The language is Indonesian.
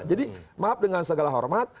jadi maaf dengan segala hormat